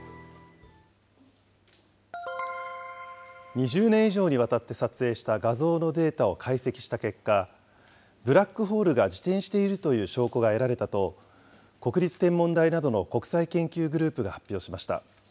２０年以上にわたって撮影した画像のデータを解析した結果、ブラックホールが自転しているという証拠が得られたと、国立天文台などの国際研究グループが発表しました。